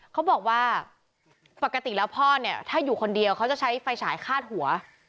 เขาบอกว่าปกติแล้วพ่อเนี่ยถ้าอยู่คนเดียวเขาจะใช้ไฟฉายคาดหัว